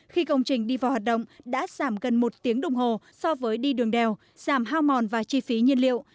khi công trình đi vào hoạt động đã giảm gần một tiếng đồng hồ so với đi đường đèo giảm hao mòn và chi phí nhiên liệu